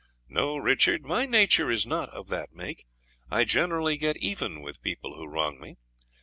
No, Richard, my nature is not of that make. I generally get even with people who wrong me.